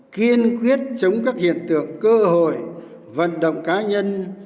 kiên quyết chống các hiện tượng cơ hội vận động cá nhân